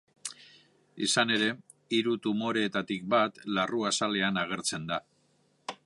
Izan ere, hiru tumoreetatik bat larruazalean agertzen da.